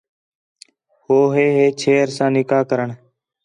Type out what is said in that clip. ہو ہے ہے چھیر ساں نکاح کرݨ